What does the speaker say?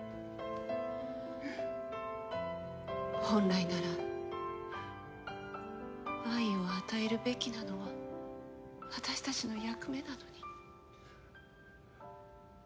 本来なら愛を与えるべきなのは私たちの役目なのに。